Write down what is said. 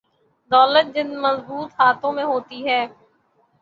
دولت جن مضبوط ہاتھوں میں ہوتی ہے۔